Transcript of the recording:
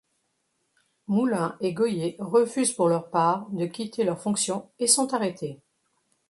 Moulin et Gohier refusent pour leur part de quitter leur fonction, et sont arrêtés.